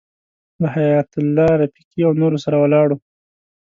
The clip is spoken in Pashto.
له حیایت الله رفیقي او نورو سره ولاړو.